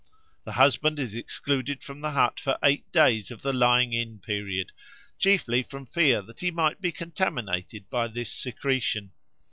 The husband is excluded from the hut for eight days of the lying in period, chiefly from fear that he might be contaminated by this secretion.